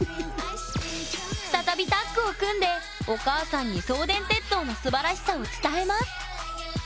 再びタッグを組んでお母さんに送電鉄塔のすばらしさを伝えます！